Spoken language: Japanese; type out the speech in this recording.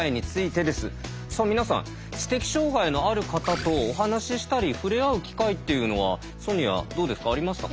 さあ皆さん知的障害のある方とお話ししたり触れ合う機会っていうのはソニアどうですかありましたか？